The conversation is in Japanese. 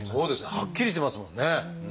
はっきりしてますもんね。